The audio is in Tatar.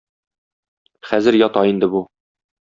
Хәзер ята инде бу.